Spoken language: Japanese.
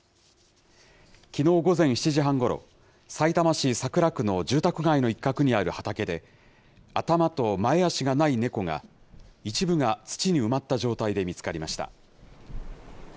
きのう午前７時半ごろ、さいたま市桜区の住宅街の一角にある畑で、頭と前足がない猫が、一部が土に埋まった状態で見つかりました。